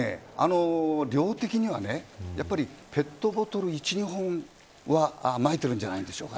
量的にはペットボトル１、２本はまいているんじゃないでしょうか。